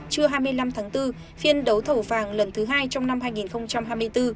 trưa hai mươi năm tháng bốn phiên đấu thầu vàng lần thứ hai trong năm hai nghìn hai mươi bốn